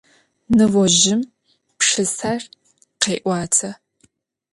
Nıozjım pşşıser khê'uate.